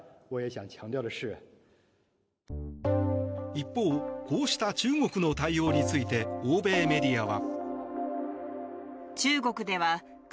一方、こうした中国の対応について欧米メディアは。